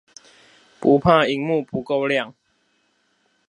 不怕螢幕不夠亮